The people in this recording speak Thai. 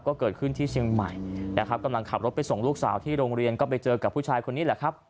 ก็เกิดขึ้นที่เชียงใหม่นะครับกำลังขับรถไปส่งลูกสาวที่โรงเรียนก็ไปเจอกับผู้ชายคนนี้แหละครับ